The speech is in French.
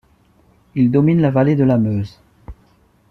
Il domine la vallée de la Meuse.